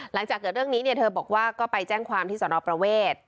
หลังจากเกิดเรื่องนี้เนี่ยเธอบอกว่าก็ไปแจ้งความที่สนประเวท